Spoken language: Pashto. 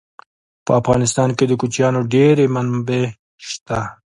په افغانستان کې د کوچیانو ډېرې منابع شته.